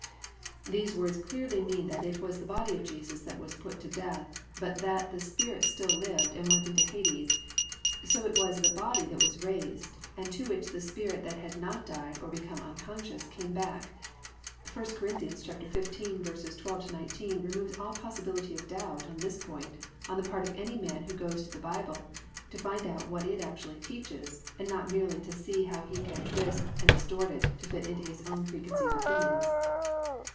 "+ These words clearly mean that it was the body of Jesus that was put to death, but that the spirit still lived and went into Hades; so it was the body that was raised and to which the spirit that had not died or become unconscious came back. I Cor. 15:12 19 removes all possibility of doubt on this point on the part of any man who goes to the Bible to find out what it actually teaches and not merely to see how he can twist and distort it to fit it into his own preconceived opinions.